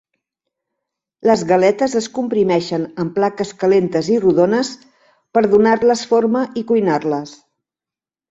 Les galetes es comprimeixen amb plaques calentes i rodones per donar-les forma i cuinar-les.